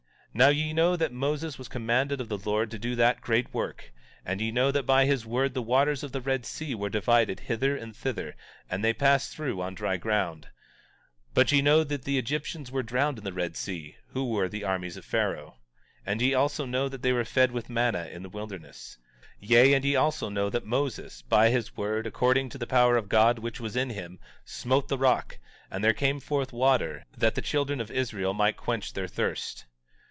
17:26 Now ye know that Moses was commanded of the Lord to do that great work; and ye know that by his word the waters of the Red Sea were divided hither and thither, and they passed through on dry ground. 17:27 But ye know that the Egyptians were drowned in the Red Sea, who were the armies of Pharaoh. 17:28 And ye also know that they were fed with manna in the wilderness. 17:29 Yea, and ye also know that Moses, by his word according to the power of God which was in him, smote the rock, and there came forth water, that the children of Israel might quench their thirst.